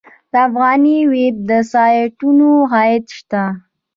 د افغاني ویب سایټونو عاید شته؟